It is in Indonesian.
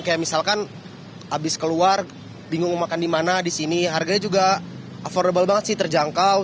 kayak misalkan habis keluar bingung mau makan di mana di sini harganya juga affordable banget sih terjangkau